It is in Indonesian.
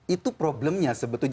itu problemnya sebetulnya